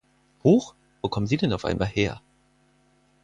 Huch, wo kommen Sie denn auf einmal her?